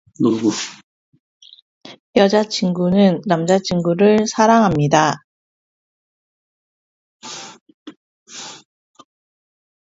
여자친구는 남자친구를 사랑합니다.